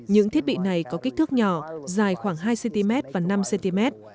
những thiết bị này có kích thước nhỏ dài khoảng hai cm và năm cm